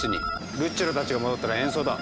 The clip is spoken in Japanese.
ルッチョラたちが戻ったら演奏だ。